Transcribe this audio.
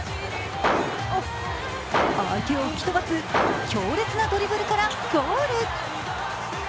相手を吹き飛ばす強烈なドリブルからゴール。